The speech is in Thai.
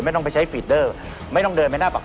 ไม่ต้องไปใช้ฟีดเดอร์